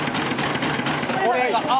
これがあ！